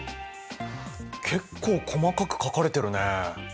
結構細かく書かれてるね。